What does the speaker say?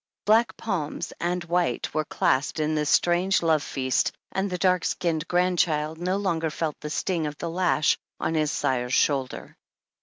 Black palms and white were lO clasped in this strange love feast, and the dark skinned grand child no longer felt the sting of the lash on his sire's shoulder.